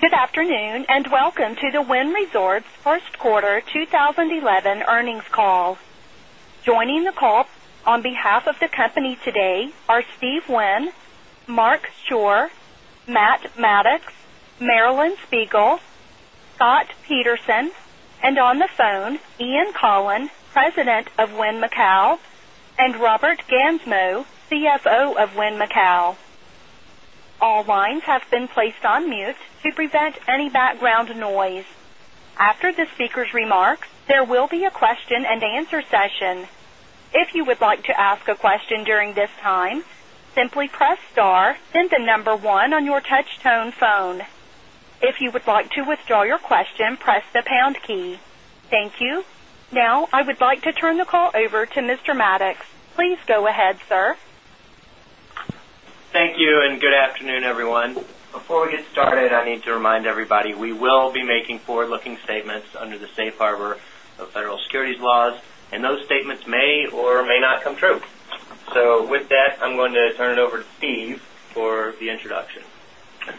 Good afternoon, and welcome to the Wynn Resorts First Quarter 20 11 Earnings Call. Joining the call on behalf of the company Peterson and on the phone, Ian Collin, President of Wynn Macau and Robert Gansmo, CFO of Wynn Macau. All lines have been placed on mute to prevent any background noise. After the speakers' remarks, there will be a question and answer Thank you. Now, I would like to turn the call over to Mr. Maddox. Please go ahead, sir. Thank you, and good afternoon, everyone. Before we get started, I need to remind everybody we will be making forward looking statements under the Safe Harbor of Federal Securities Laws and those statements may or may not come true. So, with that, I'm going to turn it over to Steve for the introduction.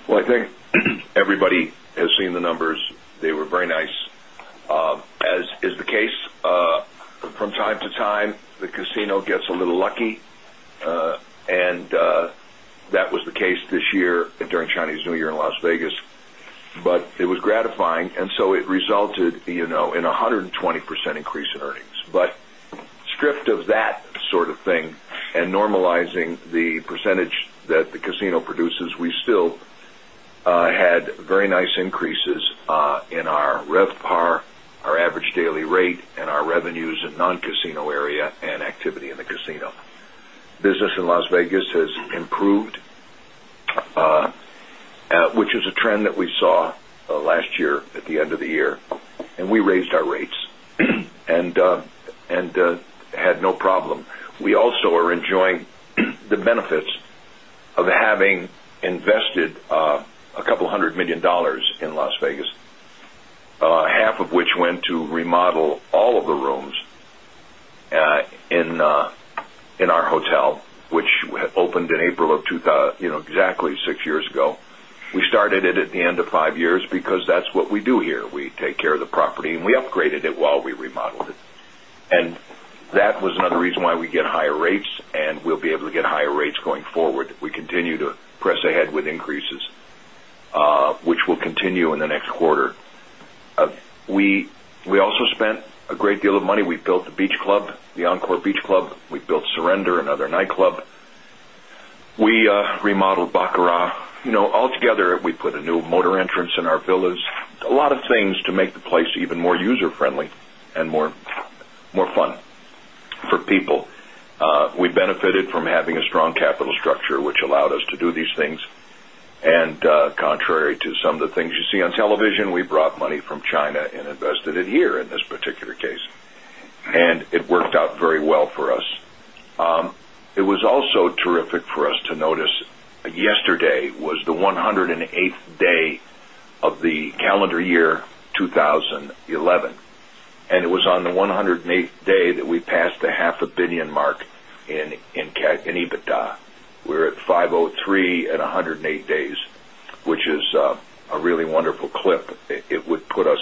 Well, I think everybody has seen the numbers. They were very nice. As is the case, from time to time, the casino gets a little lucky, and that was the case this year during Chinese New Year in Las Vegas. But it was gratifying. And so it resulted in 120 percent increase in earnings. But stripped of that sort of thing and normalizing RevPAR, our average daily rate and our revenues in non casino area and activity in the casino. Business in Las Vegas has improved, which is a trend that we saw last year at the end of the year and we raised our rates and had no problem. We also are enjoying the benefits of having invested a couple of $100,000,000 in Las Vegas, half of which went to remodel all of the rooms in our hotel, opened in April of exactly 6 years ago. We started it at the end of 5 years because that's what we do here. We take care of the property and we upgraded it while we remodeled it. And that was another reason why we get higher rates and we'll be able to get higher rates going forward. We continue to press ahead with increases, which will continue in the next quarter. We also spent a great deal of money. We've built the beach club, the Encore beach club. We've built Surrender, another night club. We remodeled Baccarat. Altogether, we put a new motor entrance in our villas, a lot of things to make the place even more user friendly and more fun for people. We benefited from having a strong capital structure, which allowed us to do these things. And contrary to some of the things you see on television, we brought money from China and invested it here in this particular case. And it worked out very well for us. It was also terrific for us to notice yesterday was the 108th day of the calendar year 2011 and it was on the 108th day that we passed the €500,000,000 mark in EBITDA. We're at 503 a really wonderful clip. It would put us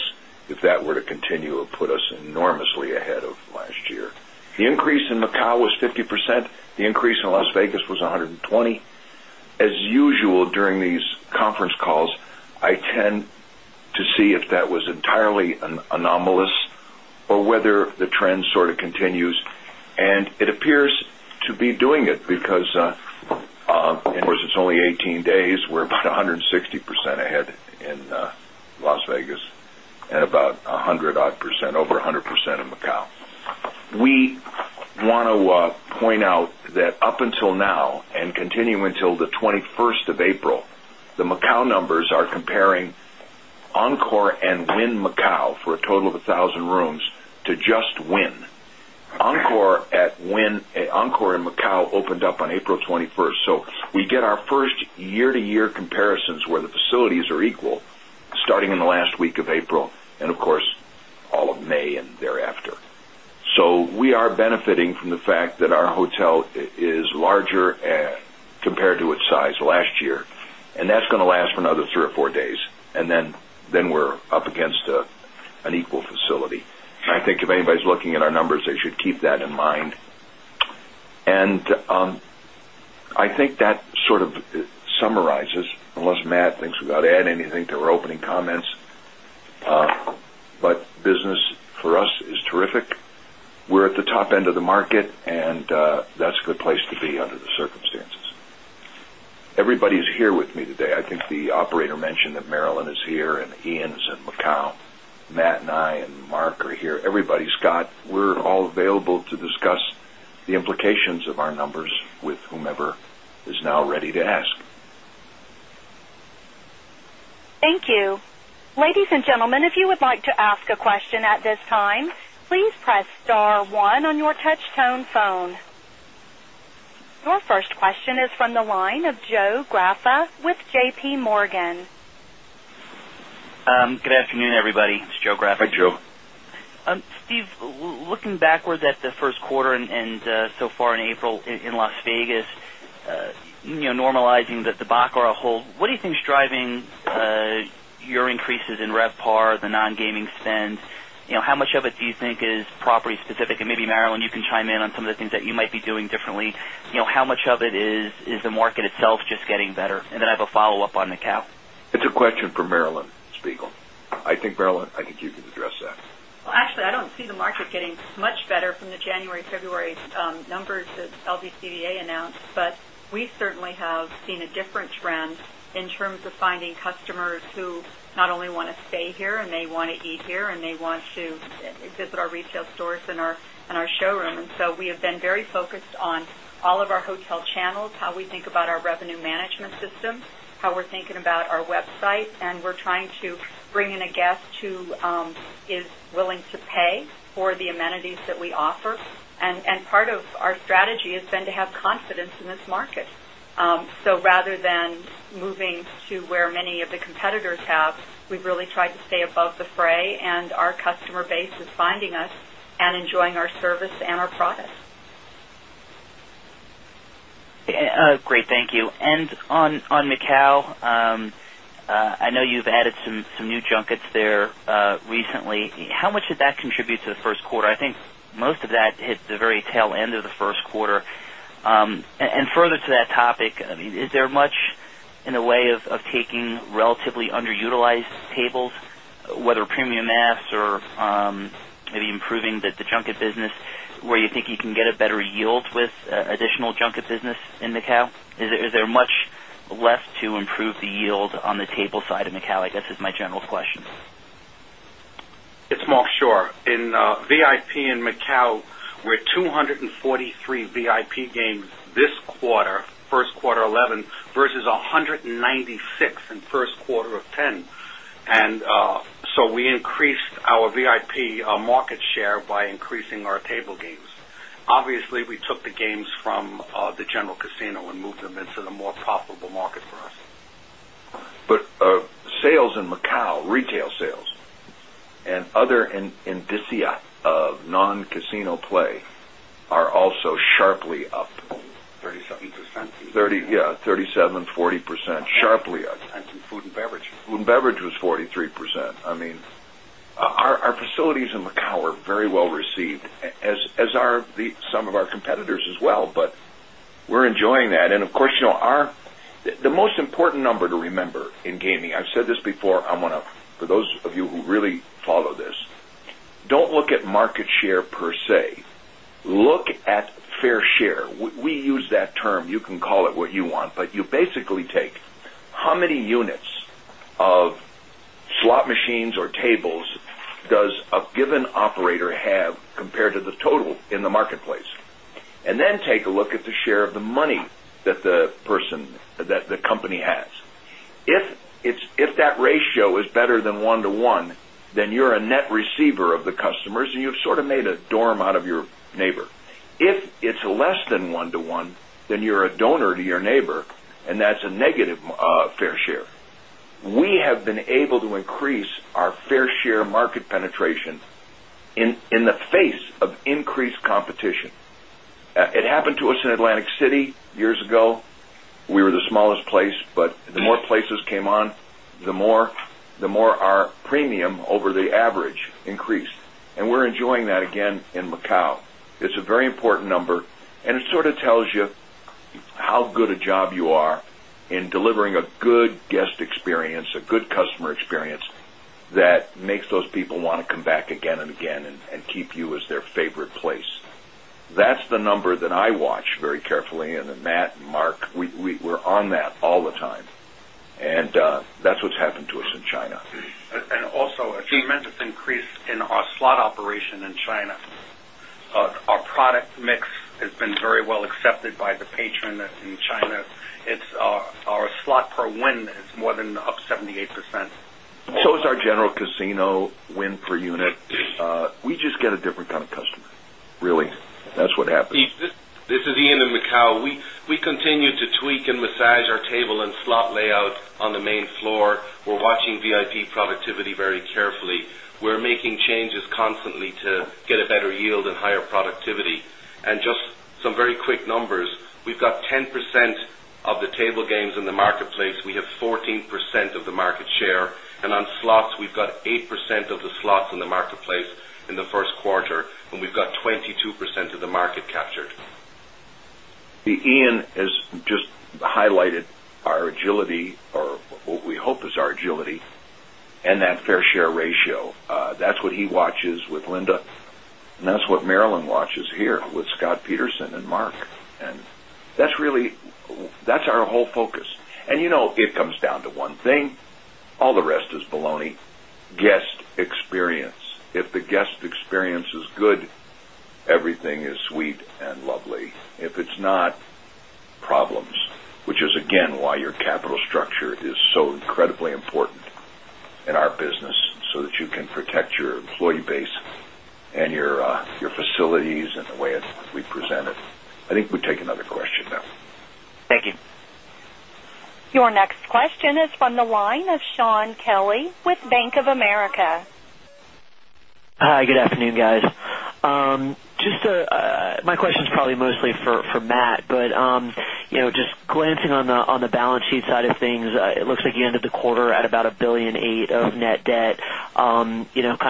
if that were to continue, it would put us enormously ahead of last year. The increase in Macau was 50%. The increase in Las Vegas was 120%. As usual, during these conference calls, I tend to see if that was entirely anomalous or whether the trend sort of continues. And it appears to be doing it because it's only 18 days, we're about 160% ahead in Las Vegas and about 100 percent over 100 percent of Macau. We want to point out that up until now and continuing until 21st of April, the Macau numbers are comparing Encore and Wynn Macau for a total of 1,000 rooms to just Wynn. Wynn. Encore in Macau opened up on April 21. So we get our 1st year to year comparisons where the facilities are equal larger compared to its size last year. And that's going to last for another 3 or 4 days. And then we're up against an equal facility. I think if anybody is looking at our numbers, they should keep that in mind. And I think that sort of summarizes unless Matt thinks we've got to add anything to her opening comments, but business for us is the operator mentioned that Marilyn is here and Ian's in Macau, Matt and I and Mark are here. Everybody, Scott, we're all available to discuss Hi, Joe. Steve, looking backwards at the Q1 and so far in April in Las Vegas, normalizing the Baccarat hold, what do you think is driving your increases in RevPAR, the non gaming spend? How much of it do you think is property specific? Maybe Marilyn, you can chime in on some of the things that you might be doing differently. How much of it is the market itself just getting better? And then I have a follow-up on the cap. It's a question for Marilyn Spiegel. I think Marilyn, I think you can address that. Well, actually, I don't see the market getting much better from the January, February numbers that LVCVA announced, but we certainly eat here and they want to here and they want to eat here and they want to visit our retail stores and our showroom. And so we have been very focused on all of our hotel channels, how we think about our revenue management system, how we're thinking about our website and we're trying to bring in a guest who is willing to pay for the amenities that we offer. And part of our strategy has been to have confidence in this market. So rather than moving to where many of the competitors have, we've really tried to stay above the fray and our customer base is finding us and enjoying our service and our products. Great. Thank you. And on Macau, I know you have added some new junkets there recently. How much did that contribute to the Q1? I think most of that hit the very tail end of the Q1. And further to that topic, I mean, is there much in the way of taking relatively underutilized tables, whether premium mass or maybe improving the junket business, where you think you can get a better yield with additional junket business in Macau? Is there much left to improve the yield on the table side of Macau? I guess, is my general question. It's Mark Schorr. In VIP VIP in Macau, we're 243 VIP games this quarter, Q1 2011 versus 196 in Q1 of 'ten. And so we increased our VIP market share by increasing our table games. Obviously, we took the games from the general casino and moved them into the more profitable market for us. But sales in Macau, retail sales and other of non casino play are also sharply up. 37%. Yes, 37%, 40% Yes, 37%, 40% sharply. And food and beverage. Food and beverage was 43%. I mean, our facilities in Macau are very well received as are some of our competitors as well, but we're enjoying that. And of course, our the most important number to remember in gaming, I've said this before, I want to for those of you who really follow this, don't look at market share per se, look at fair share. We use that term, you can call it what you want, but you basically take how many units of slot machines or tables does a given operator have compared to the total in the marketplace. And then take a look at the share of the money that the person that the company has. If that ratio is better than 1:one, then you're a net receiver of the customers and you've sort of made a dorm out of your neighbor. If it's less than 1 to 1, then you're a donor to your neighbor and that's a negative fair share. We have been able to increase our fair share market penetration the face of increased competition. It happened to us in Atlantic City years ago. We were the smallest place, but the more places came on, the more our premium over the average increased. And we're enjoying that again in Macau. It's a very important number and it sort of tells you how good a job you are number that I watch very carefully. And then Matt and Mark, we've That's the number that I watch very carefully and then Matt and Mark, we're on that all the time. And that's what's happened to us in China. And also a tremendous increase in our slot operation in China. Our product mix has been very well accepted by the patron that's in China. It's our slot per win is more than up 78%. So it's our general casino win per unit. We just get a different kind of customer. Really, that's what happens. This is Ian in Macau. We continue to tweak and massage our table and slot layout on the main floor. We're watching VIP productivity very carefully. We're making changes constantly to get a better yield and higher productivity. And just some very quick numbers, we've got 10% of the table games in the marketplace, we have 14% of the market share. And on slots, we've got 8% of the slots in the marketplace in the Q1, and we've got 22% of the market captured. Ian has just highlighted our agility or what we hope is our agility and that fair share ratio. That's what he watches with Linda And that's what Marilyn watches here with Scott Peterson and Mark. And that's really that's our whole focus. And it comes down to one thing, all the rest is baloney, guest experience. If the guest experience is good, everything is sweet and lovely. If it's not, problems, which is again why your capital structure is so incredibly important in our business, so that you can there. You. Your next question is from the line of Shaun Kelley with Bank of America. Hi, good afternoon guys. Just my question is probably mostly for Matt, but just glancing on the balance sheet side of things, it looks like you ended the quarter at about $1,800,000,000 of net debt, kind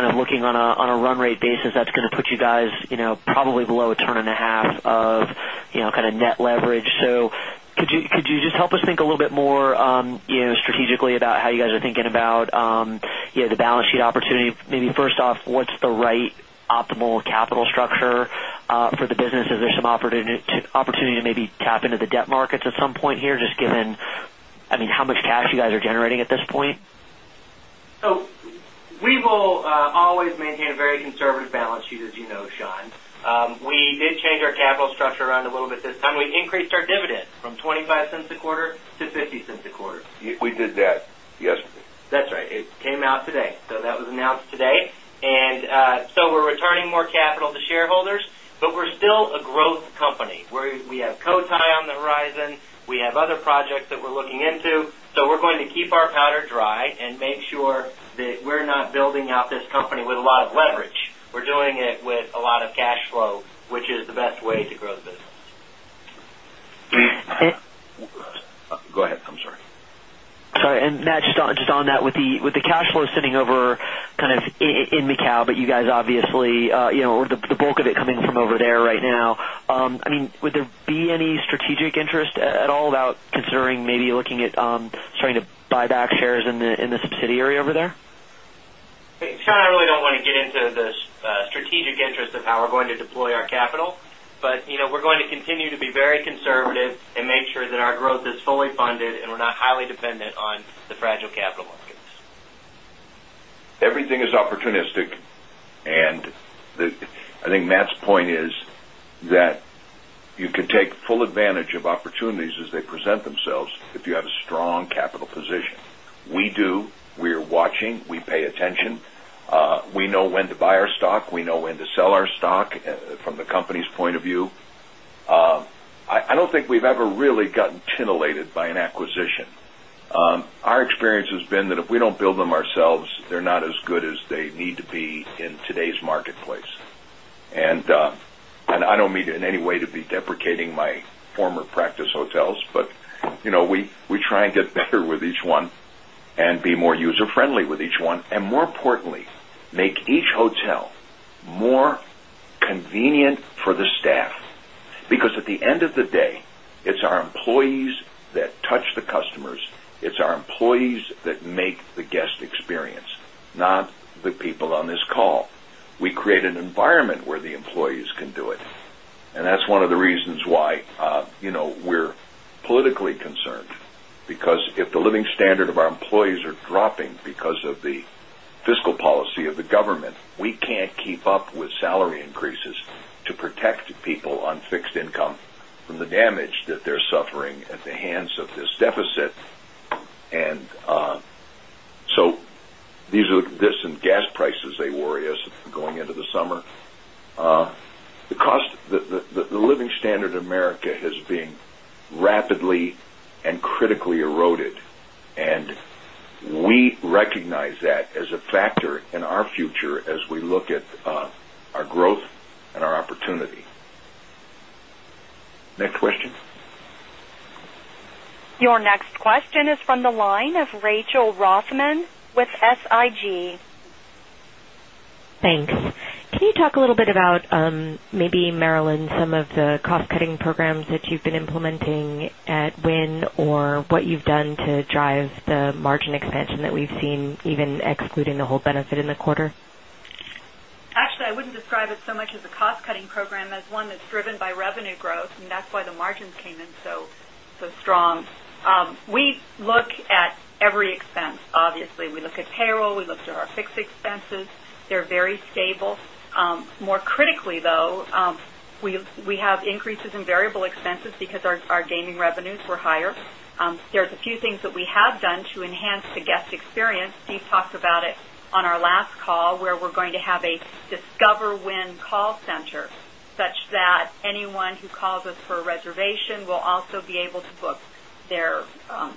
of looking on a run rate basis that's going to put you guys probably below a turn and a half of kind of net leverage. So could you just help us think a little bit more strategically about how you guys are thinking about the balance sheet opportunity? Maybe first off, what's the right optimal capital structure for the business? Is there some opportunity to maybe tap into the debt markets at some point here just given, I mean, how much cash you guys are generating at this point? So, we will always maintain a very conservative balance sheet, as you know, Sean. We did change our balance sheet as you know, Sean. We did change our capital structure around a little bit this time. We increased our dividend from $0.25 a quarter to $0.50 a quarter. We did that yesterday. That's right. It came out today. So that was announced today. And so we're returning more capital to shareholders, but we're still a growth company. We have Cotai on the powder dry and make sure that we're not building out this company with a lot of leverage. We're doing it with a lot of cash flow, which is the best way to grow the business. Go ahead. I'm sorry. Sorry. And Matt, just on that with the cash flow sitting over kind of in Macau, but you guys obviously or the bulk of it coming from over there right now, I mean, would there be any strategic interest at all about considering maybe looking at starting to buy back shares in the subsidiary over there? Hey, Scott, I really don't want to get into the strategic interest of how we're going to deploy our capital. But we're going to continue to be very conservative and make sure that our growth is fully funded and we're not highly dependent on the fragile capital markets. Everything is opportunistic. And I think Matt's point is that you can take full advantage of opportunities as they present themselves if you have a strong capital position. We do, we are watching, we pay attention. We know when to buy our stock, we know when to sell our stock from the company's point of view. I don't think we've ever really gotten titillated by an acquisition. Our experience has been that if we don't build them ourselves, they're not as good as they need to be in today's marketplace. And I don't mean in any way to be deprecating my former practice hotels, but we try and get better with each one and be more user friendly with each one. And more importantly, make each hotel more convenient for the staff, because at the end of the day, it's our employees that touch the customers, it's our employees that make the guest experience, not the people on this call. We create an environment where the employees can do it. And that's one of the reasons why we're politically concerned, because if the living standard of our employees are dropping because of the fiscal policy of the government, we can't keep up with salary increases to protect people on fixed income from the damage that they're suffering at the hands of this deficit. Summer. The living standard in America has been rapidly and critically eroded. And we recognize that as a factor in our future as we look at our growth and our opportunity. Next question. Your next question is from the line of Rachel Rothman with SIG. Can you talk a little bit about maybe Marilyn some of the cost cutting programs that you've been implementing at Wynn or what you've done to drive the margin expansion that we've seen even excluding the whole benefit in the quarter? Actually, I wouldn't describe it so much as a cost cutting program as one that's driven by revenue growth and that's why the margins came in so strong. We look at every expense. Obviously, we look at payroll, we look at our fixed expenses, they're very stable. More critically though, we have increases in variable expenses because our gaming revenues were higher. There's a few things that we have done to enhance the guest experience. Steve talked about it on our last call where we're going to have a DiscoverWIN call center such that anyone who calls us for a reservation will also be able to book their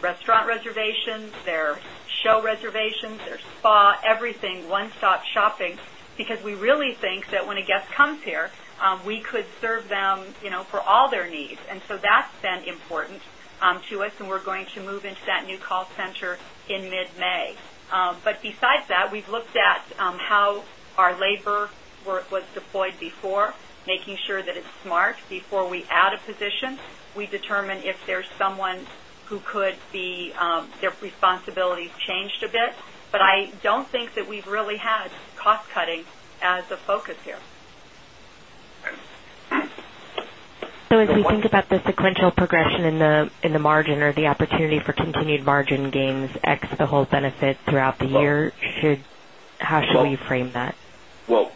restaurant reservations, their show reservations, their spa, everything one stop shopping because we really think that when a guest comes here, we could serve them for all their needs. And so that's been important to us and we're going to move into that new call center in mid May. But besides that, we've looked at how our labor work was deployed before, making sure that it's smart before we add a position. We determine if there's someone who could be their responsibilities changed a bit. But I don't think that we've really had cost cutting as a focus here. So as we think about the sequential progression in the margin or the opportunity for continued margin gain, So as we think about the sequential progression in the margin or the opportunity for continued margin gains ex the whole benefit throughout the year, should how should we frame that? Well,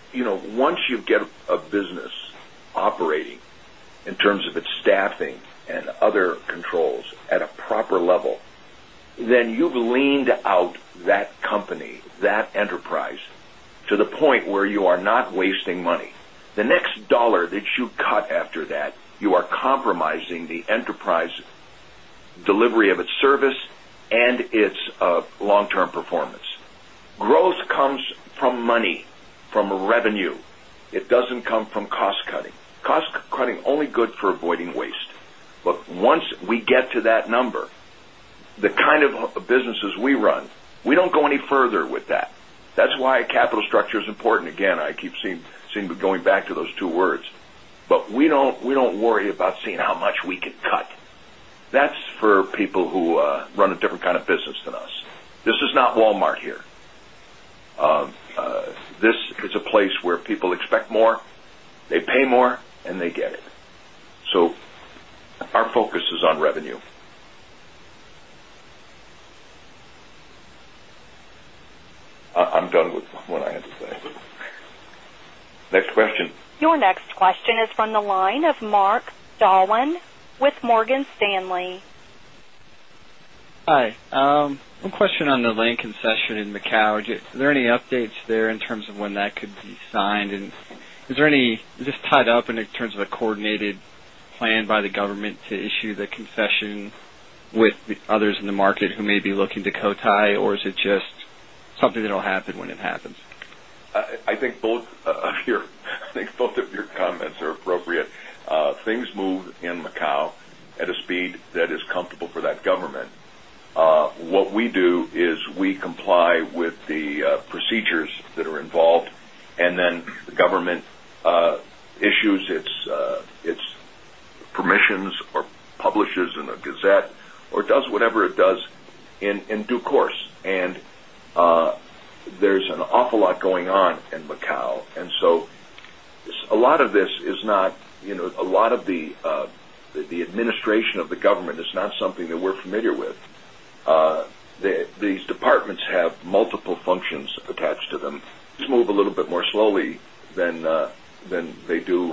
once you get a business operating in terms of its staffing and other controls at a proper level, then you've leaned out that company, that enterprise to the point where you are not wasting money. The next dollar that you cut after that, you are compromising the enterprise delivery of its service and its long term performance. Growth comes from money, from revenue. It doesn't come from cost cutting. Cost cutting only good for avoiding waste. But once we get to that number, the kind of businesses we run, we don't go any further with that. That's why capital structure is important. Again, I keep seeing going back to those two words. But we don't worry about seeing how much we can cut. That's for people who run a different kind of business than us. This is not Walmart here. This is a place where people expect more, they pay more and they get it. So our focus is on revenue. Your next question is from the line of Mark Dwalin with Morgan Stanley. Hi. One question on the land concession in Macau. Are there any updates there in terms of when that could be signed? And is there any is this tied up in terms of a coordinated plan by the government to issue the confession with others in the market who may be looking to co tie or is it just something that will happen when it happens? I think both of your comments are appropriate. Things move in Macau at a speed that is comfortable for that government. What we do is we comply with the procedures that are involved and then the government issues its its permissions or publishes in a Gazette or does whatever it does in due course. And there's an awful lot going on in Macau. And so a lot of this is not a lot of the administration of the government is not than they do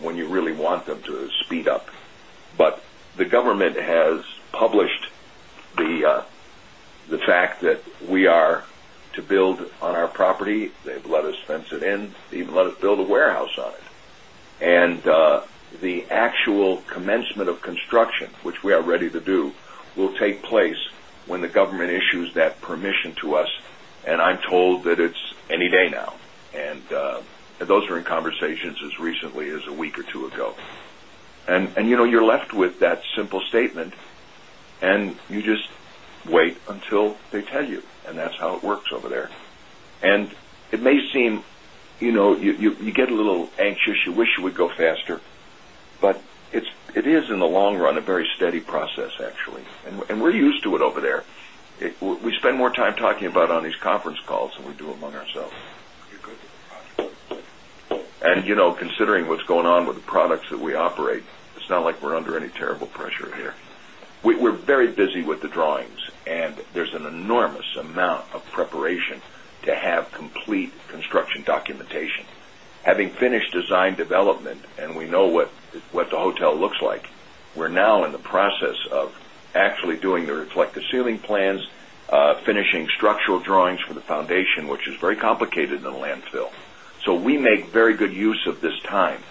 when you really want them to speed up. But the government has published the fact that we are to build on our property. They've let us fence it in, even let us build a warehouse on it. And the actual commencement of construction, which we are ready to do, will take place when the government issues that permission to us. And I'm told that it's any day now. And those are in conversations as recently as a week or 2 ago. And you're left with that simple statement and you just wait until they tell you and that's how it works over there. And it may seem you get a little anxious, you wish you would go faster, but it is in the long run a very steady process actually and we're used to it over there. We spend more time talking about on these conference calls than we do among ourselves. And considering what's going on with the products that we operate, it's not like we're under any terrible pressure here. We're very busy with the drawings and there's an enormous amount of preparation to have complete construction documentation. Having finished design development and we know what the hotel looks like, we're now in the process of actually doing the reflective ceiling plans, finishing structural drawings for the foundation, which is very complicated in the landfill. So we make very good use of this time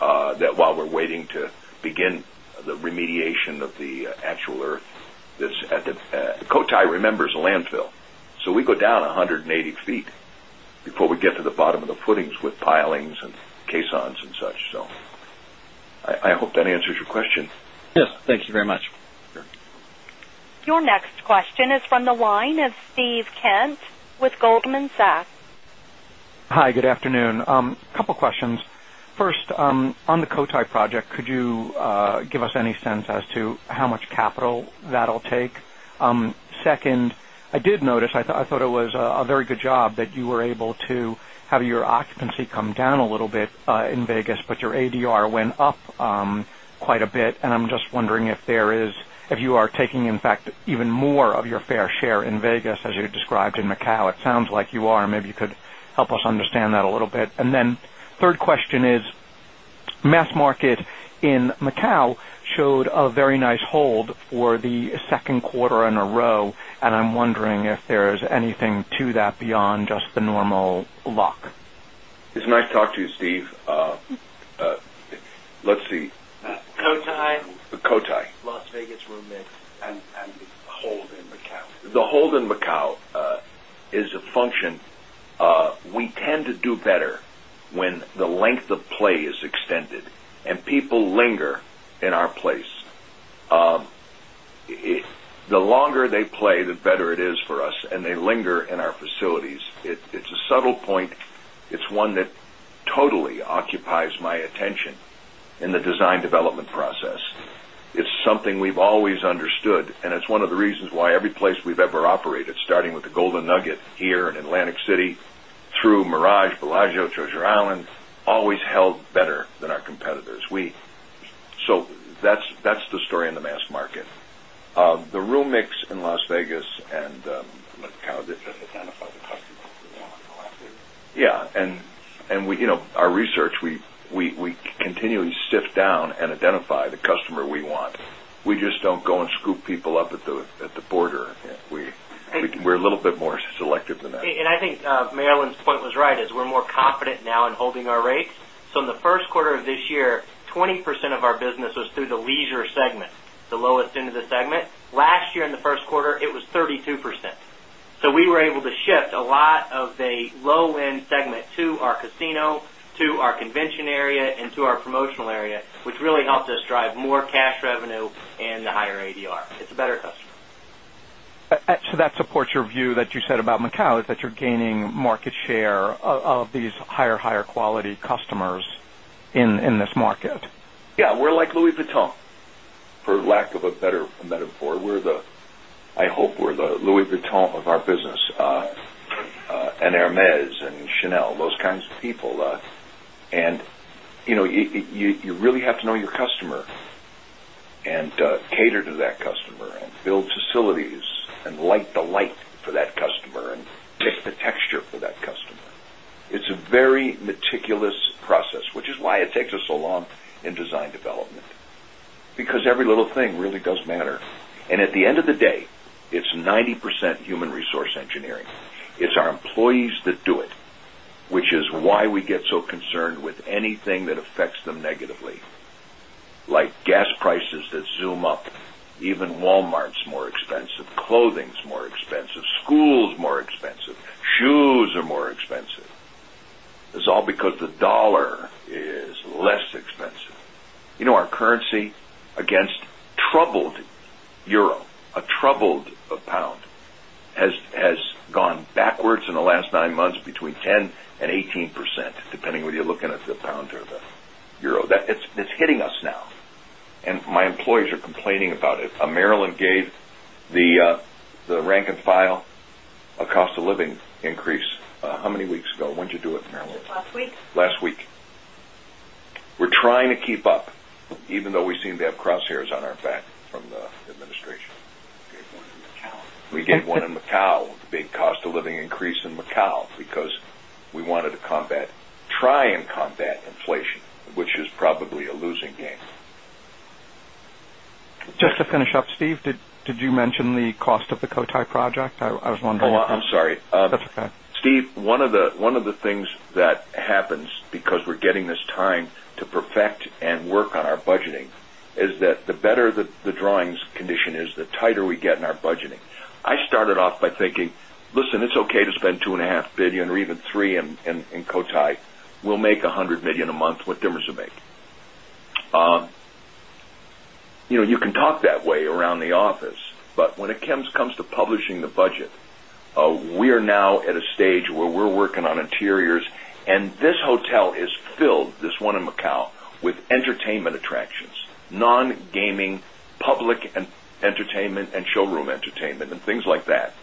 that while we're waiting to begin the remediation of the actual earth this at the Cotai remembers landfill. So we go down 180 feet before we get to the bottom of the footings with pilings and caissons and such. So I hope that answers your question. Yes. Thank you very much. Your next question is from the line of Steve Kent with Goldman Sachs. Hi, good afternoon. Couple of questions. First, on the Cotai project, could you give us any sense as to how much capital that will take? 2nd, I did notice, I thought it was a very good job that you were able to have your occupancy come down a little bit in Vegas, but your ADR went up quite a bit. And I'm just wondering if there is if you are taking in fact even more of your fair share in Vegas as you described second quarter in a row. And I'm nice hold for the Q2 in a row and I'm wondering if there is anything to that beyond just the normal lock? It's nice to talk to you, Steve. Let's see. Cotai. Cotai. Las Vegas room mix. And hold in Macau. The hold in Macau is a function. We tend to do better when the length of play is extended and people linger in our place. It's a subtle point. It's one that totally occupies my attention in the design development process. It's something we've always understood and it's one of the reasons why every place we've ever operated starting with the Golden Nugget here in Atlantic City through Mirage, Bellagio, Jojir Island, always held better than our competitors. So that's the story in the mass market. The room mix in Las Vegas and Just identify the customers. Yes. And our research, we continually sift down and identify the customer we want. We just don't go and scoop people up at the border. We're a little bit more selective than that. And I think Marilyn's point was right as we're more confident now in holding our rates. So the Q1 of this year 20% of our business was through the leisure segment, the lowest end of the segment. Last year in Q1, it was 32%. So, we were able to shift a lot of a low end segment to our casino, to our convention area and to our promotional area, which really helped us drive more cash revenue and the higher ADR. It's a better customer. So that supports your view that you said about Macau is that you're gaining market share of these higher quality customers in this market? Yes, we're like Louis Vuitton for lack of a better metaphor. We're the I hope we're the Louis Vuitton of our business and Hermes and Chanel, those kinds of people. And you really have to know your customer and cater to that customer and build facilities and light the pick the texture for that customer. It's a very meticulous process, which is why it takes us so long in design development, because every little thing really does matter. And at the end of the day, it's 90% human resource engineering. It's our employees that do it, which is why we get so concerned with anything that affects them negatively, like gas prices that zoom up, even Walmart is more expensive, clothing is more expensive, schools more expensive, shoes are more expensive. It's all because the dollar is less expensive. Our currency against troubled euro, a troubled pound has gone backwards in the last 9 months between 10% 18%, depending whether you're looking at the pound or the euro. That's hitting us now. And my employees are complaining about it. Maryland gave the rank and file a cost of living increase, how many weeks ago? When did you do it, Maryland? Last week. Last week. We're trying to keep up, even though we seem to have crosshairs on our back from the administration. Okay. We did one in Macau, the big cost of living increase in Macau because we wanted to combat try and combat inflation, which is probably a losing game. Just to finish up, Steve, did you mention the cost of the Cotai project? I was wondering I'm sorry. That's okay. Steve, one of the things that happens because we're getting this time to perfect and work on our budgeting is that the better the drawings condition is, the tighter we get in our budgeting. I started off by thinking, listen, it's okay to spend $2,500,000,000 or even $3,000,000 in Cotai. We'll make $100,000,000 a month with Dimmers to make. You can talk that way around the office, but when it comes to publishing the budget, we are now at a stage where we're working interiors and this hotel is filled, this one in Macau, with entertainment attractions, non gaming public entertainment and showroom entertainment and things like that.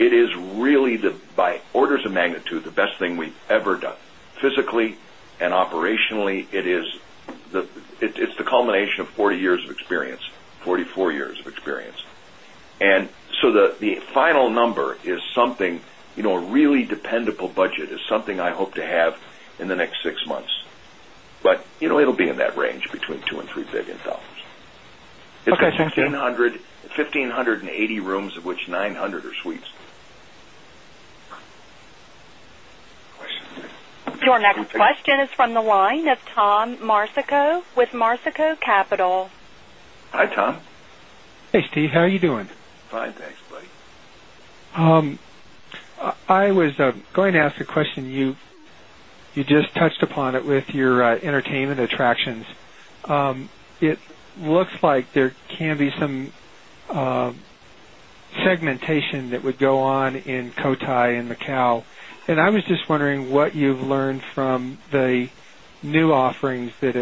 It is really by orders of magnitude, the best thing we've ever done. Physically and operationally, it's the culmination of 40 years of experience, 44 years of experience. And so the final number is something really dependable budget is something I hope to have in the next 6 months. But it'll be in that range between $2,000,000,000 and $3,000,000,000 It's 1580 rooms of which 900 are suites. Your next question is from the line of Tom Marceau with Marceau Capital. Hi, Tom. Hi, Steve. How are you doing? Fine. Thanks, buddy. I was going to ask a question. You just touched upon it with your entertainment and Macau. And I was just wondering what you've learned from the and Macau. And I was just wondering what you've learned from the new offerings that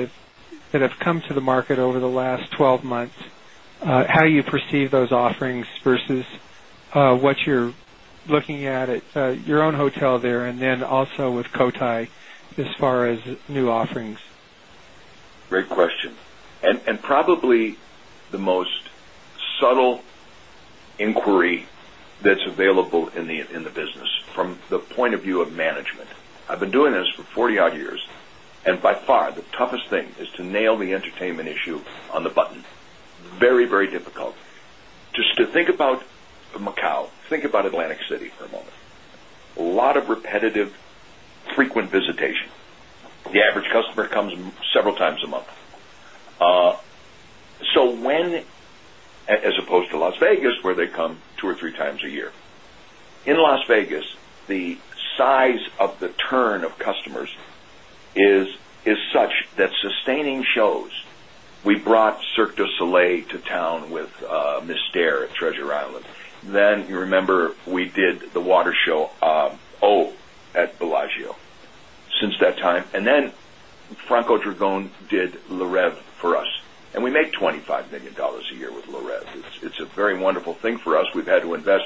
have come to the market over the last 12 months? How you perceive those offerings versus what you're looking at your own hotel there and then also with inquiry that's available in the business from the point of view of management. I've been doing this for 40 odd years and by far the toughest thing is to nail the entertainment issue on the button. Very, very difficult. Just to think about Macau, think about Atlantic City for a moment. A lot of repetitive frequent visitation. The average customer comes several times a month. So when as opposed to Las Vegas, where they come 2 or 3 times a year. In Las Vegas, the size of the turn of customers is such that sustaining shows. We brought Cirque du Soleil to town with Miss Stair at Treasure Island. Then you remember, we did the water show at Bellagio since that time. And then Franco Dragone did Larev for us and we make $25,000,000 a year with Larev. It's a very wonderful thing for us. We've had to invest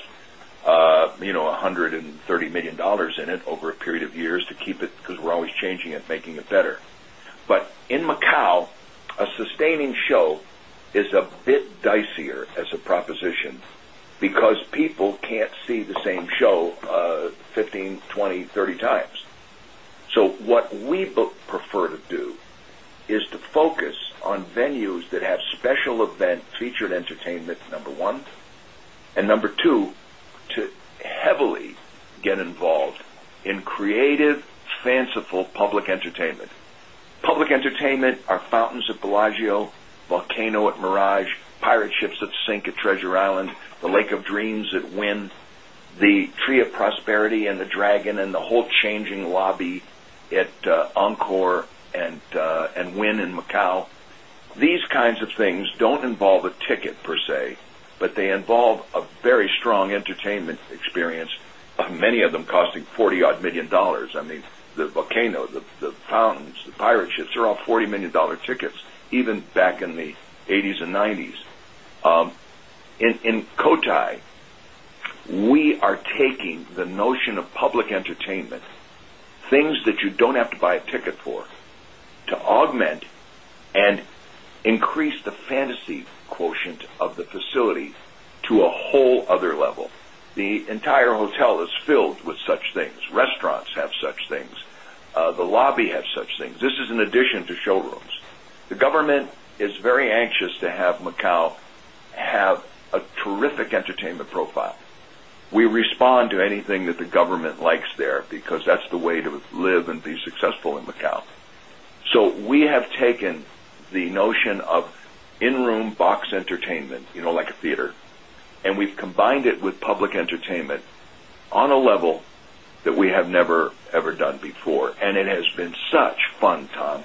$130,000,000 in it over a period of years to keep it because we're always changing it, making it better. But in Macau, a sustaining show is a bit dicier as a proposition, because people can't see the same show 15, 20, 30 times. So what we prefer to do is to focus on venues that have special event featured entertainment, number 1. Our fountains at Bellagio, volcano at Mirage, pirate our fountains at Bellagio, volcano at Mirage, pirate ships that sink at Treasure Island, the Lake of Dreams at Wynn, the Tree of Prosperity and the Dragon and the whole changing lobby at Encore and Wynn in Macau. These kinds of things don't involve a ticket per se, but they involve a very strong entertainment experience, many of them costing $40 odd 1,000,000 I mean, the volcano, the pounce, the pirate ships, they're all $40,000,000 tickets even back in the 80s 90s. In Cotai, we are taking the notion of public entertainment, things that you don't have to buy a ticket for to augment and increase the fantasy quotient of the things. This is in addition to showrooms. The government is very anxious to have Macau have a terrific entertainment profile. We respond to anything that the government likes there because that's the way to live and be successful in Macau. So we have taken the notion of in room box entertainment, like a theater, and we've combined it with public entertainment on a level that we have never ever done before. And it has been such fun, Tom.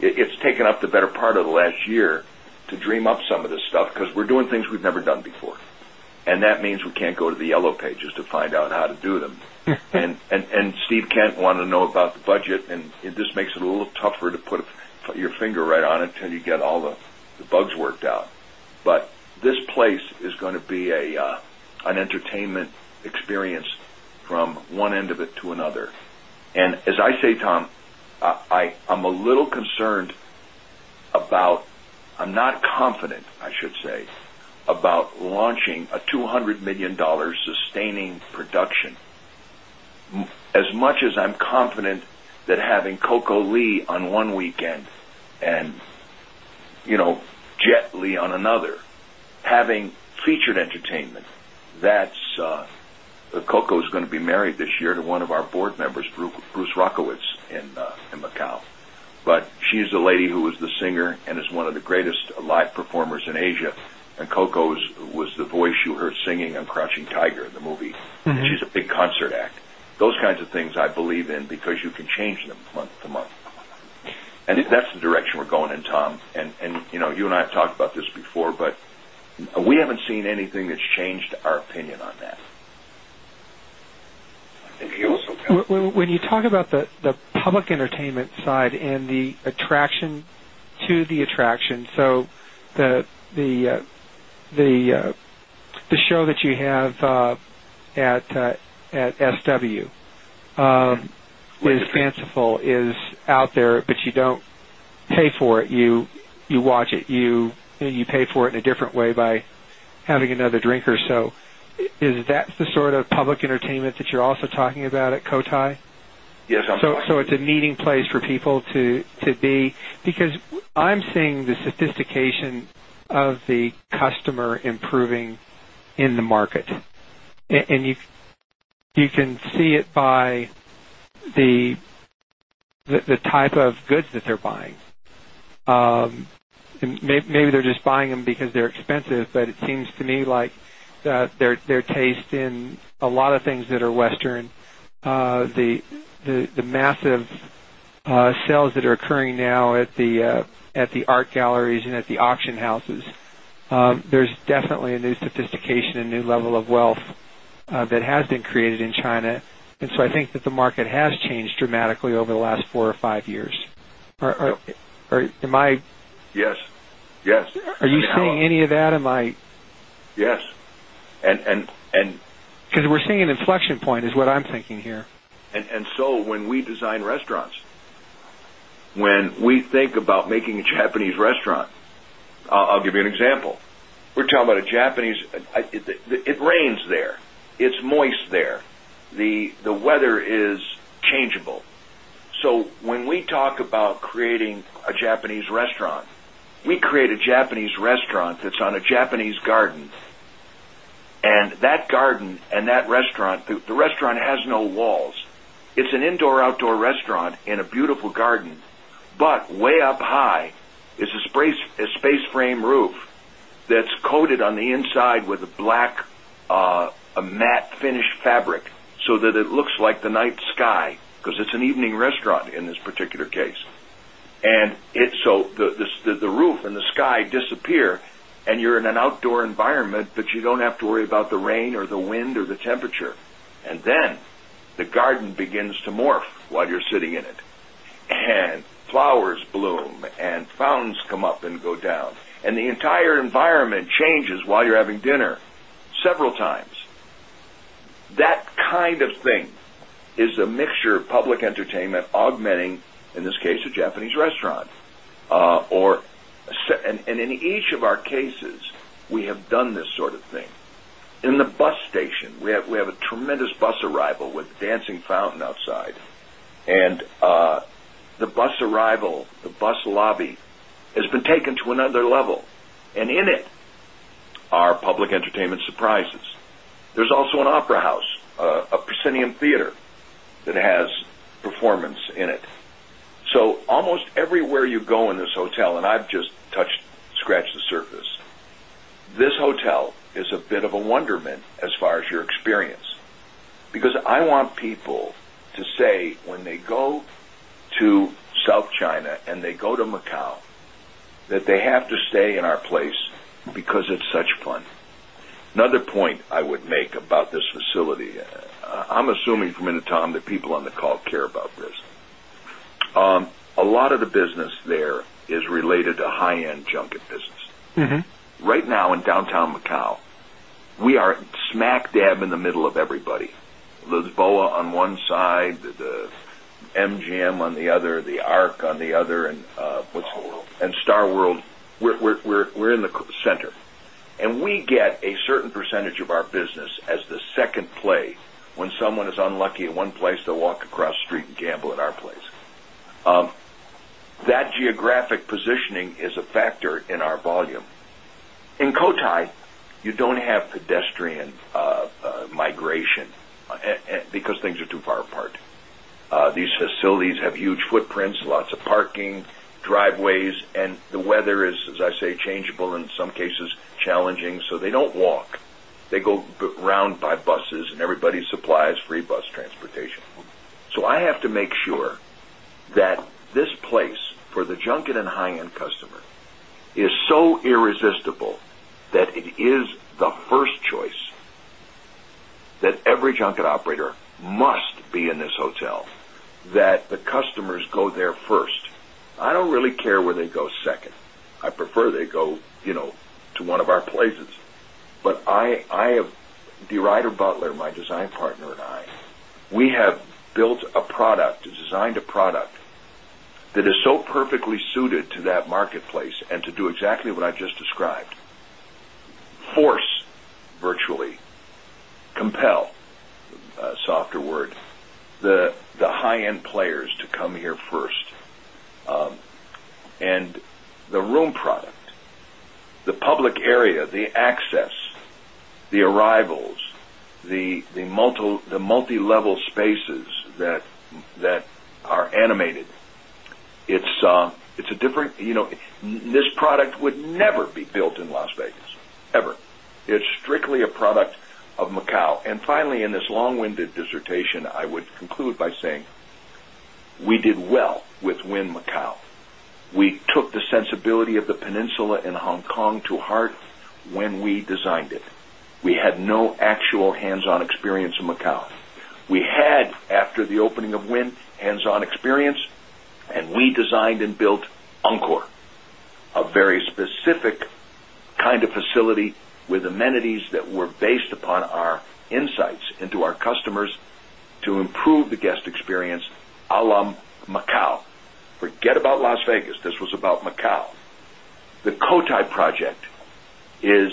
It's taken up the better part of the last year to dream up some of this stuff because we're doing things we've never done before. And that means we can't go to the yellow pages to find out how to do them. And Steve Kent want to know about the budget and this makes it a little tougher to put your finger right on until you get all the bugs worked out. But this place is going to be an entertainment experience from one end of it to another. And as I say, Tom, I'm a little concerned about I'm not confident, I should say, about launching a $200,000,000 sustaining production. As much as I'm confident that having Coco Lee on one weekend and Jet Lee on another, having Featured entertainment that's Coco is going to be married this year to one of our Board members, Bruce Rokowitz in Macau. But she is the lady who is the singer and is one of the greatest live performers in Asia. And Coco was the voice you heard that's the direction we're going in, Tom. And you and I have talked about this before. And that's the direction we're going in, Tom. And you and I have talked about this before, but we haven't seen anything that's changed our opinion on that. When you talk about the public entertainment side and the attraction to the attraction, so the show that you have at SW is fanciful is out there, but you don't pay for it. You watch it, you pay for it in a different way by a a meeting place for people to be, because I'm seeing the sophistication of the customer improving in the market? And you can see it by the type of goods that they're buying. Maybe they're just buying them because they're expensive, but it seems to me like their taste in art galleries and at the auction houses, there's at the art galleries and at the auction houses, there's definitely a new sophistication and new level of wealth that has been created in China. And so I think that the market has changed dramatically over the last 4 or 5 years. Am I Yes. Are you seeing any of that? Am I Yes. And Because we're seeing an inflection point is what I'm thinking here. And so when we design restaurants, when we think about making a Japanese restaurant, I'll give you an example. We're talking about a Japanese, it rains there, moist there. The weather is changeable. So when we talk about creating a Japanese restaurant, we create a Japanese restaurant that's on a Japanese garden and that garden and that restaurant the restaurant has no walls. It's an indoor outdoor restaurant in a beautiful garden, but way up high is a space frame roof that's coated on the inside with a black matte finished fabric, so that it looks like the night sky, because it's an evening restaurant in this particular case. And so the roof and the sky disappear and you're in an outdoor environment, but you don't have to worry about the rain or the wind or the temperature. And then the garden begins to morph while you're sitting in it. And flowers bloom and fountains come up and go down and the entire environment changes while you're having dinner several times. That kind of thing is a mixture of public entertainment augmenting, in this case, a Japanese restaurant or and in each of our cases, we have done this sort of thing. In the bus station, we have a tremendous bus arrival with dancing fountain outside. And the bus arrival, the bus lobby has been taken to another level. And in it, our public entertainment surprises. There's also an opera house, a Precinium theater that has performance in it. So almost everywhere you go in this hotel and I've just touched scratch the surface, this hotel is a bit of a wonderment as far as your experience, Because I want people to say when they go to South China and they go to Macau that they have to stay in our place because it's such fun. Another point I would make about this facility, I'm assuming from Intercom that people on the call care about risk. A lot of the business there is related to high end junket business. Right now in downtown Macau, we are smack dab in the middle of everybody. Lisboa on one side, the MGM on the other, the ARC on the other and Star World, we're in the center. And we get a certain percentage of our business as the a certain percentage of our business as the 2nd play when someone is unlucky at one place, they'll walk across street and gamble at our place. That geographic positioning is a factor in our volume. In Cotai, you don't have pedestrian migration because things are too far apart. These facilities have huge footprints, lots of parking, driveways and the weather is, as I say, changeable in some cases challenging, so they don't walk. They go round by buses and everybody supplies free bus transportation. So I have to make sure that this place for the junket and high end customer is so irresistible that it is the first choice that every junket operator must be in this hotel, that the customers go there first. I don't really care where they go second. I prefer they go to one of our places. But I have DeRuyter Butler, my design partner and I, we have built a product, designed a product that is so perfectly suited to that marketplace and to do exactly what I just described. Force virtually, compel, a softer word, the high end players to come here first. And the room product, the public area, the access, the arrivals, the multilevel spaces that are animated, it's a different this product would never be built in Las Vegas ever. It's strictly a product of Macau. And finally, in this long winded dissertation, I would conclude by saying, we did well with Wynn Macau. We took the sensibility of the peninsula in Hong Kong to heart when we designed it. We had actual hands on experience in Macau. We had after the opening of Wynn hands on experience and we designed and built Encore, a very specific kind of facility with amenities that were based upon our insights into our customers to improve the guest experience a la Macau. Forget about Las Vegas, this was about Macau. The Cotai project is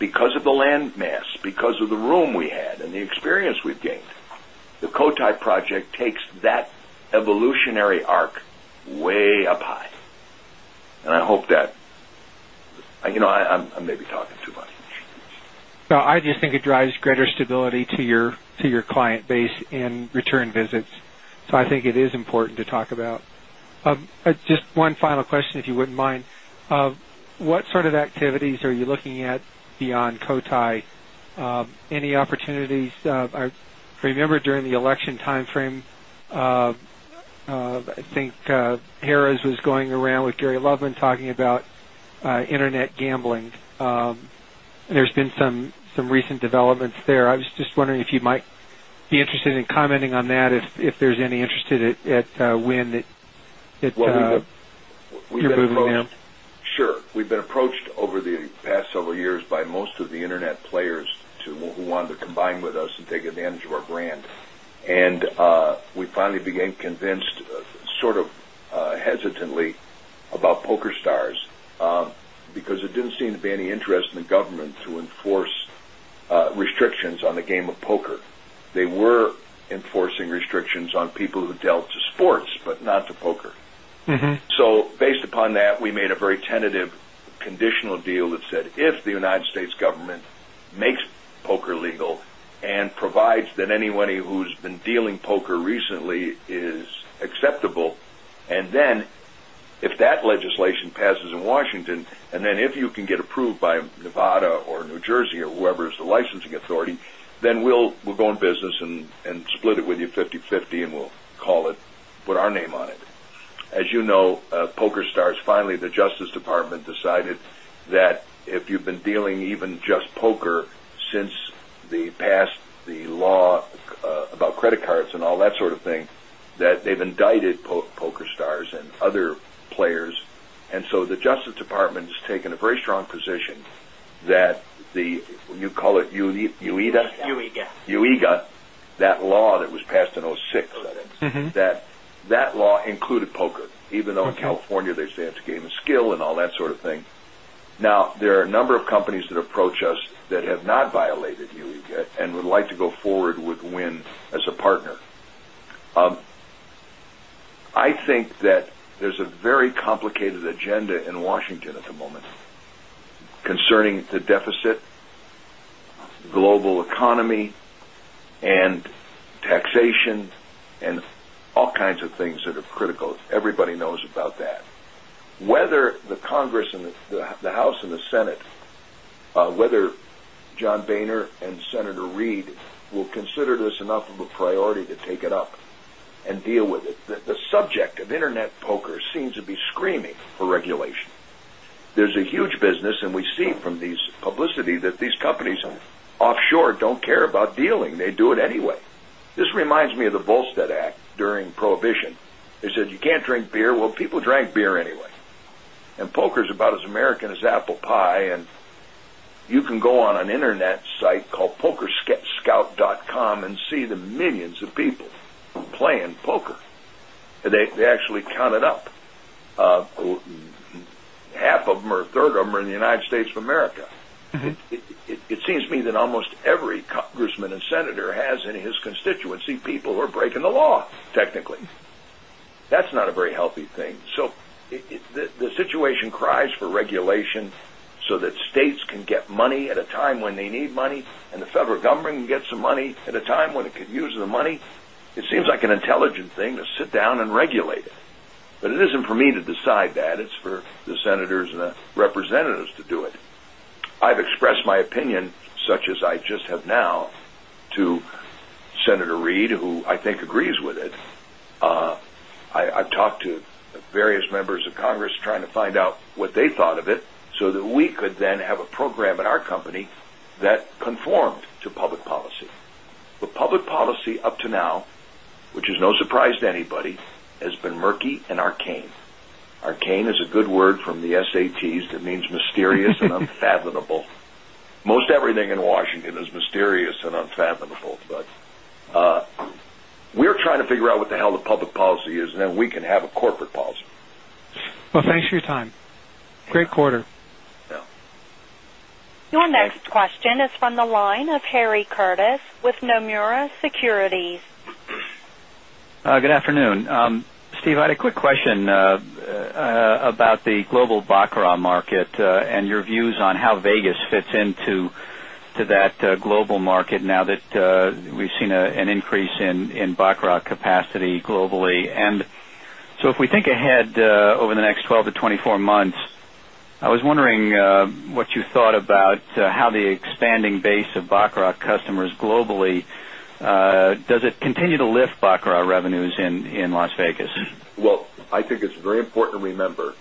because of the land mass, because of the room we had and the experience we've gained, the Cotai project takes that evolutionary arc way up high. And I hope that I'm maybe talking too much. So I just think it drives greater stability to your client base in return visits. So I think it is important to talk about Just one final question, if you wouldn't mind. What sort of activities are you looking at beyond Cotai? Any opportunities? I remember during the election timeframe, I think Harrah's was going around with Gary Loveman talking about Internet gambling. There's been some recent developments there. I was just wondering if you might be interested in commenting on that if there's any interested at when you're moving them. Sure. We've been approached over the past several years by most of the Internet players who want to combine with us and take advantage of our brand. And we finally became convinced sort of hesitantly about PokerStars because it didn't to be any interest in the government to enforce restrictions on the game of poker. They were enforcing restrictions on people who dealt to sports, but not to poker. So based upon that, we made a very tentative conditional deal that said, if the United acceptable. And then if that legislation passes in Washington and then if you can get approved by Nevada or New Jersey or whoever is the licensing authority, authority, then we'll go in business and split it with you fifty-fifty and we'll call it, put our name on it. As you know PokerStars, finally the Justice Department decided that if you've been dealing even just poker since the past the law about credit cards and all that sort of thing that they've indicted poker stars and other players. And so the Justice Department has UE got. UE got that law that was passed in 2006. That law included poker, even though in California they say it's a game of skill and all that sort of thing. Now there are a number of companies that approach us that have not violated UE and would like to go forward with a very complicated agenda in Washington at the moment concerning the deficit, global economy and taxation and all kinds of things that are critical. Everybody knows about that. Whether the Congress and the House and the Senate, whether John Boehner and Senator Reid will consider this enough of a priority to take it up and deal with it. The subject of Internet poker seems to be screaming for regulation. There's a huge business and we see from pokerscout.com and see the millions of people. Pokerscout.com and see the millions of people playing poker. They actually count it up. Half of them or third of them are in the United States of America. It seems to me that almost every congressman and senator has in his constituency people who are breaking the law technically. That's not a very healthy thing. So the situation cries for regulation so that states can get money at a time when they need money and the federal government can get some money at a time when it could use the money. It seems like an intelligent thing to sit down and regulate it. But it isn't for me to decide representatives to do it. I've expressed my opinion, such as I just have now, to Senator Reid, who I think agrees with it. I've talked to various members of Congress trying to find out what they thought of it, so that we could then have a program in our company that conformed to public policy. The public policy up to now, which is no surprise to anybody, been murky and arcane. Arcane is a good word from the SATs that means mysterious and unfathomable. Everything in Washington is mysterious and unfathomable, but we are trying to figure out what the hell the public policy is and then we can have a corporate policy. Well, thanks for your time. Great quarter. Your next question is from the line of Harry Curtis with Nomura Securities. Good afternoon. Steve, I had a quick question about the global baccarat market and your views on how Vegas fits into that global market now that we've seen an increase in baccarat capacity globally. And so if we think ahead over the next 12 to 24 months, I was wondering what you thought about how the expanding base of Baccarat customers globally, does it continue to lift Baccarat revenues in Las Vegas? Well, I think it's very important to remember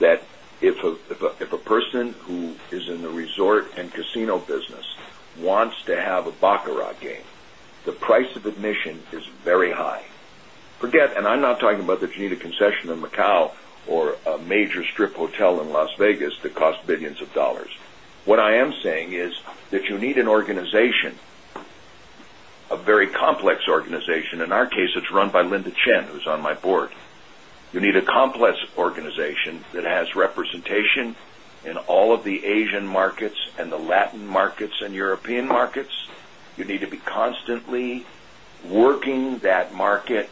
that if a person who is in the resort and casino business wants to have a baccarat game, the price of admission is very high. Forget and I'm not talking that you need a concession in Macau or a major strip hotel in Las Vegas that cost 1,000,000,000 of dollars. What I am saying is that you need an organization, a very complex organization. In our case, it's run by Linda Chen, who's on my Board. You need a complex organization that has representation in all of the Asian markets and the Latin markets and European markets. You need to be constantly working that market,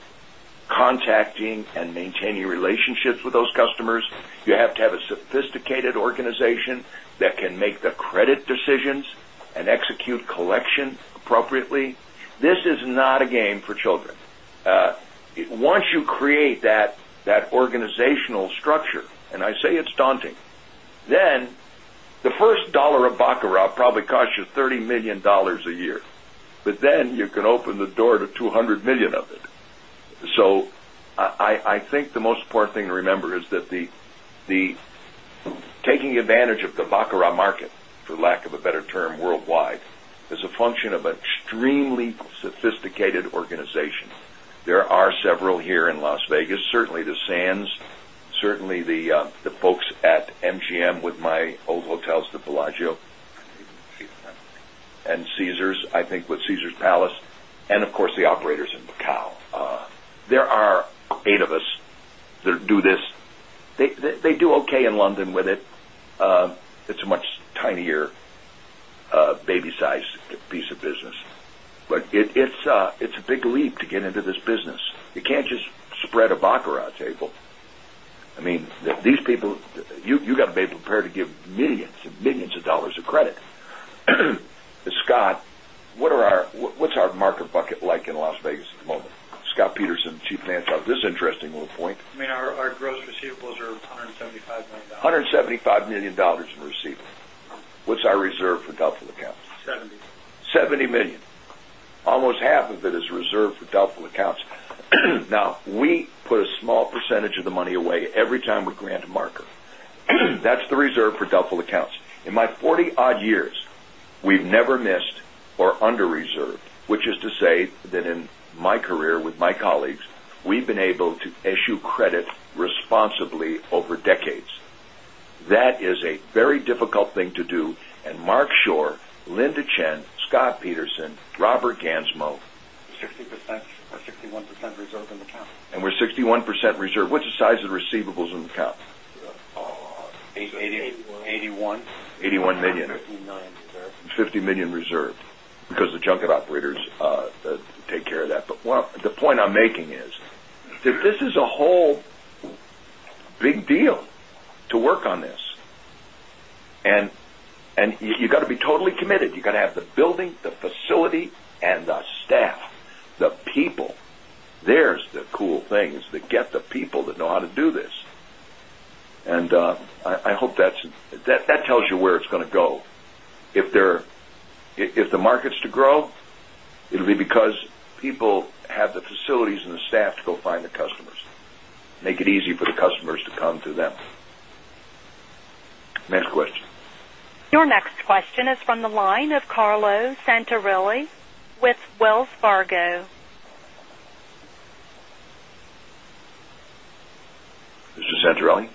contacting and maintaining relationships with those customers. You have to have a sophisticated organization that can make the credit decisions and execute collection appropriately. This is not a game for children. Once you create that organizational structure, and I say it's daunting, then the first dollar of baccarat probably cost you $30,000,000 a year, but then you can open the door to 2 $100,000,000 of it. So I think the most important thing to remember is that the taking advantage of the Vakira market, for lack of a better term, worldwide is a function of extremely sophisticated organization. There are several here in Las Vegas, certainly the Caesars, I think with Caesars Palace and of course the operators in Macau. There are 8 of us that do this. They do okay in London with it. It's a much tinier, baby sized piece of business. But it's a big leap to get into this business. You can't just spread a baccarat table. I mean, these people you got to be prepared to give 1,000,000 and 1,000,000 of dollars of credit. Scott, what are our what's our market bucket like in Las Vegas? Well, Scott Peterson, Chief Financial Officer, this interesting little point. I mean, our gross receivables are $175,000,000 $175,000,000 in receivables. What's our reserve for doubtful accounts? $70,000,000 $70,000,000 Almost half of it is reserved for doubtful accounts. Now we put a small percentage of the money away every time we grant a marker. That's the reserve for doubtful accounts. In my 40 odd years, we've never missed or under reserved, which is to say that in my career with my colleagues, we've been able to issue credit responsibly over decades. That is a very difficult thing to do. And Mark Shore, Linda Chen, Scott Peterson, Robert Gansmo. 60% or 61% reserve in the count. And we're 61% reserve. What's the size of the receivables in the count? 81 $1,000,000 $50,000,000 reserve because the junket operators take care of that. But the point I'm making is that this is a whole big deal to work on this. And you got to be totally committed. You got to have the building, the facility and the staff, the people. There's the cool things that get the people that know how to do this. And I hope that tells you where it's going to go. If there if the market is to grow, it will be because people have the facilities and the staff to go find the customers, make it easy for the customers to come to them. Next question. Your next question is from the line of Carlo Santarelli with Wells Fargo. Mr. Santarelli?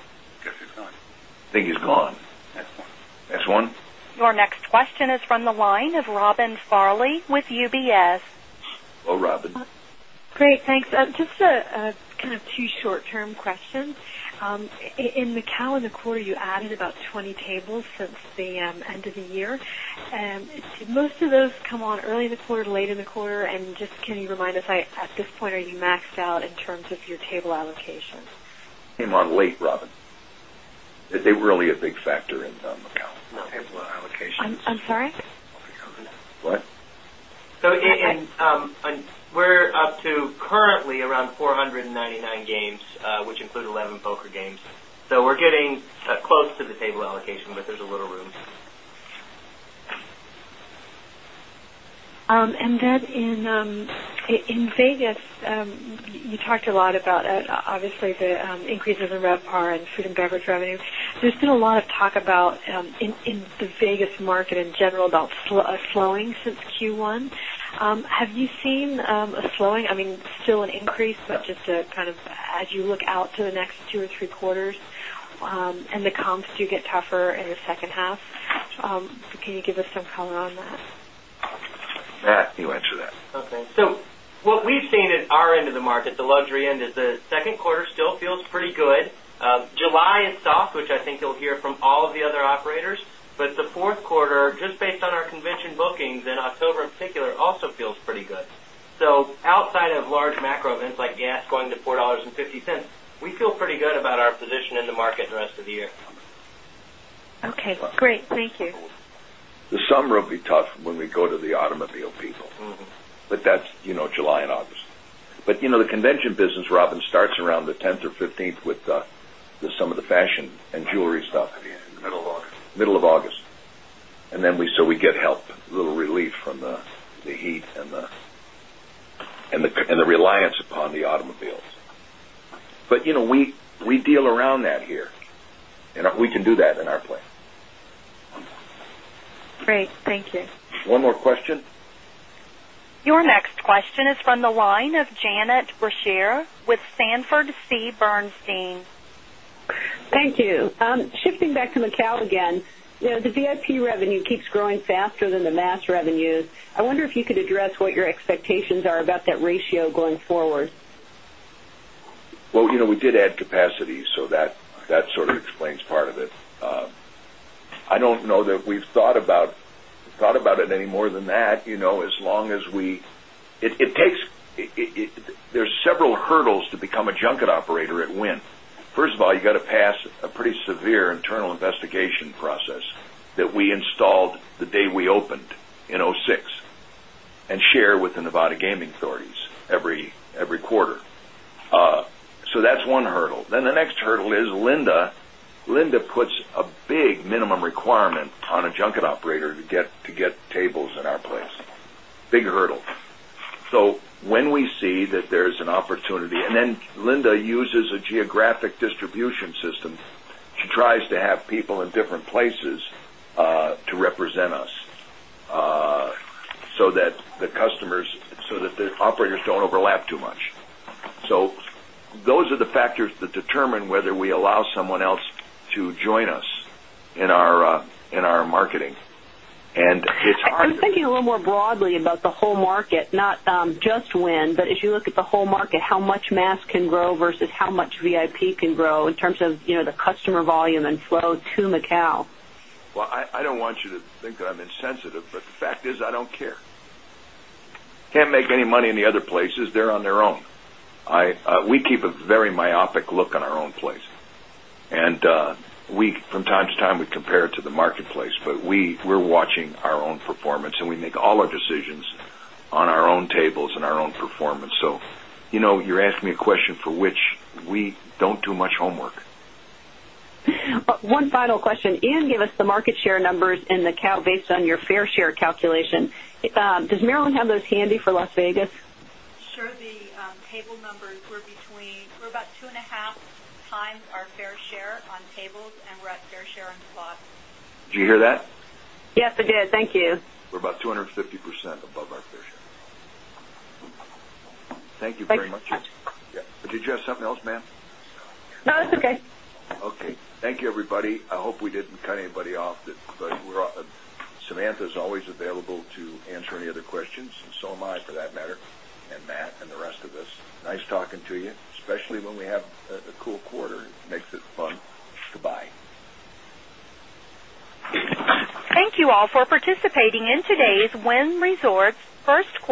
Yes, he's gone. I think he's gone. Next one. Next one. Your next question is from the line of Robin Farley with UBS. Hello Robin. Great. Thanks. Just kind of 2 short term questions. In Macau in the quarter you added about 20 tables since the end of the year. And most of those come on early in the quarter, late in the quarter? And just can you remind us at this point, are you maxed out in terms of your table allocation? Came on late, Robin. Is it really a big factor in the capital allocation? I'm sorry? What? So, we're up to currently around 499 games, which include 11 poker games. So we're getting close to the table allocation, but there's a little room. And then in Vegas, you talked a lot about obviously the increases in RevPAR and food and beverage revenue. There's been a lot talk about in the Vegas market in general about slowing since Q1. Have you seen a slowing? I mean, still an increase, but just kind of as you look out to the next 2 or 3 quarters and the comps do get tougher in the second half, can you give us some color on that? Matt, you answer that. Okay. So, what we've seen at our end of the market, the luxury end is the second quarter still feels pretty good. July is soft, which I think you'll hear from all of the other operators. But the Q4, just based on our convention bookings in October in particular, also feels pretty good. So outside of large macro events like gas going to $4.50 we feel pretty good about our position in the market the rest of the year. Okay, great. Thank you. The summer will be tough when we go to the automobile people, but that's July August. But the convention business, Robin, starts around 10th or 15th with some of the fashion and jewelry stuff. Middle of August. Middle of August. And so we get help, little relief from the heat and the reliance upon the automobiles. But we deal around that here and we can do that in our plan. Great. Thank you. One more question. Your next question is from the line of Janet Boucher with Sanford Bernstein. Thank you. Shifting back to Macau again. The VIP revenue keeps growing faster than the mass revenues. I wonder if you could address what your expectations are about that ratio going forward? Well, we did add capacity, so that sort of explains part of it. I don't know that we've thought about it any more than that. As long as we it takes there's several hurdles to become a junket operator at Wynn. First of all, you got to pass a pretty severe internal investigation process that we installed the day we opened in 2006 and share with the Nevada Gaming Authorities every quarter. So that's one hurdle. Then the next hurdle is Linda. Linda puts a big minimum requirement on a junket operator to get tables in our place, big hurdle. So when we see that there is an opportunity and then Linda uses a geographic distribution system. She tries to have people in different places to represent us, so so that the operators don't overlap too much. So those are the factors that determine whether we allow someone else to join us in our marketing. And it's hard. I was thinking a little more broadly about the whole market, not just wind, but as you look at the whole market, how much mass can grow versus how much VIP can grow in terms of the customer volume and flow to Macau? Well, I don't want you to think that I'm insensitive, but the fact is I don't care. Can't make any money in the other places, they're on their own. We from time to time, we compare it to the marketplace, but we are watching our own performance and we make all our decisions on our own tables and our own performance. So you're asking me a question for which we don't do much homework. One final question. Ian gave us the market share numbers in the cow based on your fair share calculation. Does Maryland have those handy for Las Vegas? Sure. The table numbers, our our fair share on tables and we're at fair share in slots. Did you hear that? Yes, I did. Thank you. We're about 2 50% above our Fisher. Thank you very much. Did you have something else, ma'am? No, it's okay. Okay. Thank you, everybody. I hope we didn't cut anybody off, but Samantha is always available to answer any other questions and so am I for that matter and Matt and the rest of us. Nice talking to you, especially when we have a cool quarter, it makes it fun. Goodbye. Thank you all for participating in today's Wynn Resorts First